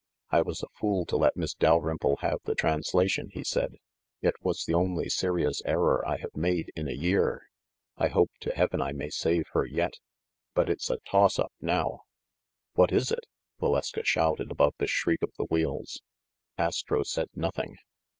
"I was a fool to let Miss Dalrymple have the transla tion!" he said. "It was the only serious error I have made in a year. I hope to heaven I may save her yet ; but it's a toss up now !" "What is it?" Valeska shouted above the shriek of the wheels. Astro said nothing.